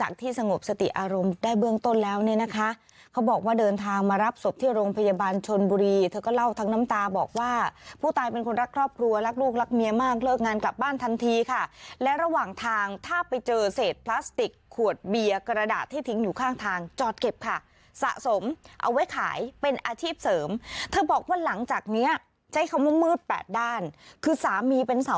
เขาบอกว่าเดินทางมารับศพที่โรงพยาบาลชนบุรีเธอก็เล่าทั้งน้ำตาบอกว่าผู้ตายเป็นคนรักครอบครัวรักลูกรักเมียมากเลิกงานกลับบ้านทันทีค่ะและระหว่างทางถ้าไปเจอเศษพลาสติกขวดเบียร์กระดาษที่ทิ้งอยู่ข้างทางจอดเก็บค่ะสะสมเอาไว้ขายเป็นอาชีพเสริมเธอบอกว่าหลังจากเนี้ยใช้คำว่าม